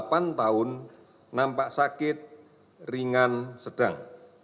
enam puluh empat perempuan empat puluh sembilan tahun nampak sakit ringan sedang